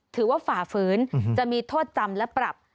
ถือว่าฝ่าฝืนจะมีโทษจำและปรับ